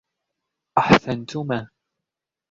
أحسنتما.